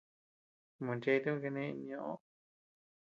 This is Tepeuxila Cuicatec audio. Machetem kane nioo.